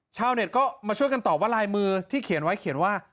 ชาวเน็ตก็มาช่วยกันตอบว่าลายมือที่เขียนไว้เขียนว่า